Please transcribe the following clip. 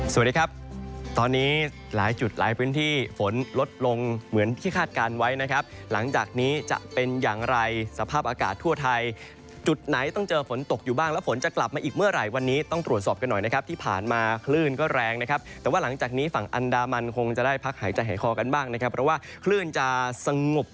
สวัสดีครับตอนนี้หลายจุดหลายพื้นที่ฝนลดลงเหมือนที่คาดการณ์ไว้นะครับหลังจากนี้จะเป็นอย่างไรสภาพอากาศทั่วไทยจุดไหนต้องเจอฝนตกอยู่บ้างแล้วฝนจะกลับมาอีกเมื่อไหร่วันนี้ต้องตรวจสอบกันหน่อยนะครับที่ผ่านมาคลื่นก็แรงนะครับแต่ว่าหลังจากนี้ฝั่งอันดามันคงจะได้พักหายใจหายคอกันบ้างนะครับเพราะว่าคลื่นจะสงบ